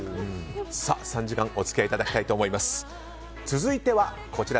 ３時間、お付き合いいただきたいと思います。